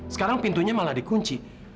sekarang pintunya malah dikunci